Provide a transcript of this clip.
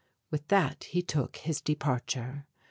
With that he took his departure.